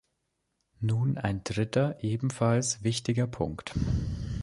Nun ein dritter ebenfalls wichtiger Punkt.